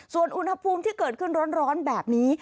ส่วนอุณหภูมิที่เกิดขึ้นร้อนแบบนี้